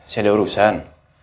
saya ada urusan